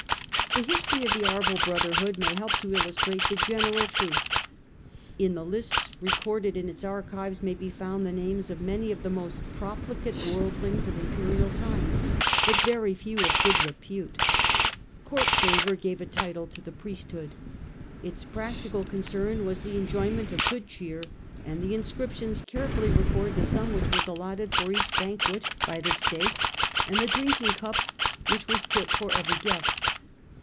The history of the Arval Brotherhood may help to illustrate the general truth. In the lists recorded in its archives may be found the names of many of the most profligate worldlings of imperial times, but very few of good repute. Court favour gave a title to the priesthood. Its practical concern was the enjoyment of good cheer, and the inscriptions carefully record the sum which was allotted for each banquet by the itate, and the drinking cup which was put for every guest.